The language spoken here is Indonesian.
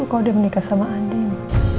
kalau dia menikah sama andin